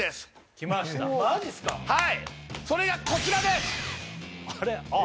はいそれがこちらです！